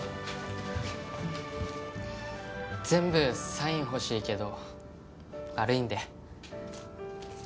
全部サイン欲しいけど悪いんで。